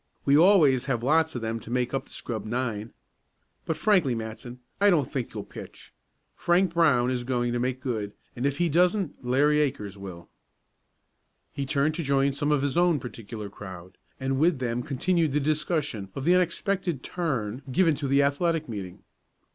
"We always have lots of them to make up the scrub nine. But frankly, Matson, I don't think you'll pitch. Frank Brown is going to make good, and if he doesn't Larry Akers will." He turned to join some of his own particular crowd, and with them continued the discussion of the unexpected turn given to the athletic meeting.